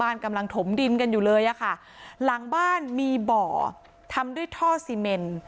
กำลังถมดินกันอยู่เลยอะค่ะหลังบ้านมีบ่อทำด้วยท่อซีเมน